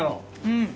うん。